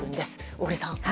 小栗さん。